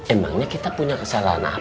emangnya kita punya kesalahan apa kum